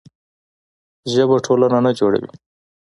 ژبه ټولنه نه جوړوي.